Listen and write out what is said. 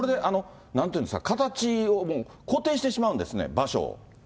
なんていうんですか、形をもう固定してしまうんですね、場所を。